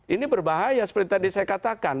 ini berbahaya seperti tadi saya katakan